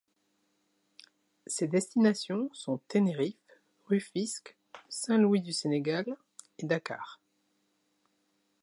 Ses destinations sont Tenériffe, Rufisque, Saint-Louis du Sénégal et Dakar.